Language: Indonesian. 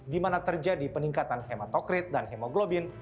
di mana terjadi peningkatan hematokrit dan hemoglobin